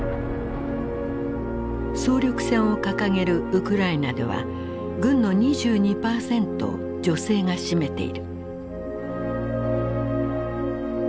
総力戦を掲げるウクライナでは軍の２２％を女性が占めている。